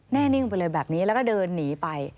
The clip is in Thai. แน่นิ่งไปเลยแบบนี้แล้วก็เดินหนีไป